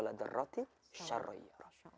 la dar ratit sharro yaroh